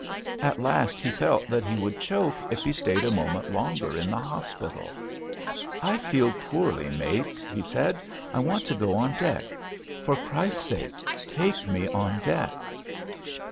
At last he felt that he would choke if he stayed a moment longer in the hospital. "I feel poorly, mates," he said. "I want to go on deck. For Christ's sake take me on deck."